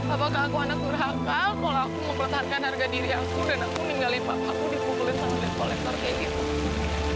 apakah aku anak kurha kal kalau aku mempertahankan harga diri aku dan aku meninggalin bapakku dipukulin sama dek kolektor kayak gitu